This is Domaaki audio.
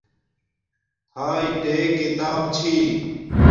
ہاݵݵ تے کتاپ چھی